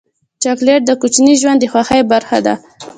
چاکلېټ د کوچني ژوند د خوښۍ برخه ده.